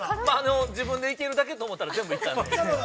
◆自分で行けるだけと思ったら、全部行ったので。